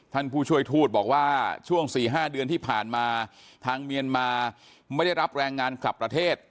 ท่านผู้ช่วยทูตบอกว่าช่วง๔๕เดือนที่ผ่านมาทางเมียนมาไม่ได้รับแรงงานกลับประเทศ